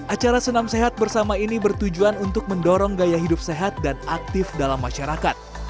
acara senam sehat bersama ini bertujuan untuk mendorong gaya hidup sehat dan aktif dalam masyarakat